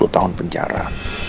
gak ada penjara